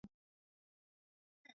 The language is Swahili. Yesu wangu nitaenda kwanani